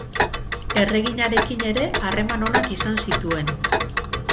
Erreginarekin ere harreman onak izan zituen.